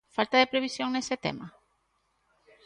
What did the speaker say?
Falta de previsión nese tema?